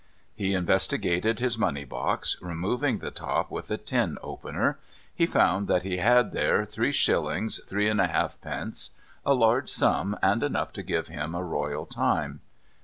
He investigated his money box, removing the top with a tin opener. He found that he had there 3s. 3 1/2d.; a large sum, and enough to give him a royal time.